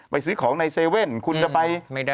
ไปซื้อของใน๗๑๑คุณจะไป